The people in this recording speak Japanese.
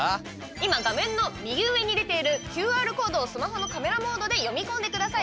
今画面の右上に出ているＱＲコードをスマホのカメラモードで読み込んでください。